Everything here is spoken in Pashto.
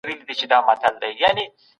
غریبان د یوې ګولې ډوډۍ لپاره کار کوي.